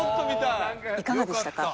いかがでしたか？